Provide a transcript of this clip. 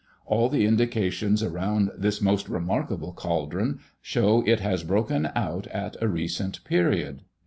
All the indications around this most remarkable cauldron show it has broken out at a recent period...."